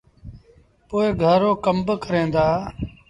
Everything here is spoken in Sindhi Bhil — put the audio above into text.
پو گھر رو ڪم با ڪريݩ دآ۔